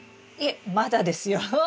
いえまだですよ。